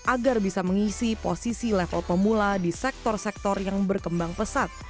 agar bisa mengisi posisi level pemula di sektor sektor yang berkembang pesat